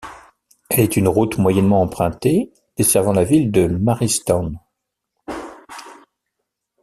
Elle est une route moyennement empruntée, desservant la ville de Marystown.